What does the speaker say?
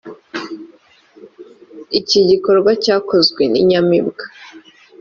iki gikorwa cyakozwe ni nyamibwa